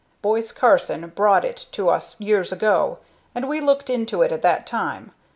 Boise Carson brought it to us years ago, and we looked into it at that time.